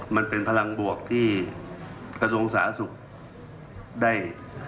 มันเป็นพลังบวกที่กระทรวงศาลนักศึกษ์ได้